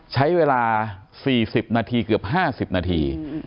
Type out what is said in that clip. ใช้เวลา๔๐นาทีเกือบ๕๐นาที